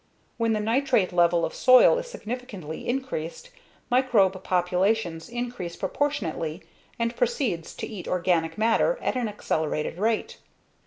When the nitrate level of soil is significantly increased, microbe populations increase proportionately and proceeds to eat organic matter at an accelerated rate.